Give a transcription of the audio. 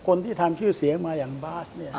คนที่ทำชื่อเสียงมาอย่างบาสเนี่ย